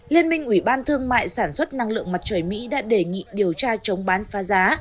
liên minh ủy ban thương mại sản xuất năng lượng mặt trời mỹ đã đề nghị điều tra chống bán phá giá